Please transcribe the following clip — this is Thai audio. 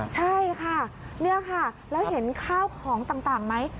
ใช่ค่ะนี่ค่ะแล้วเห็นข้าวของต่างไหม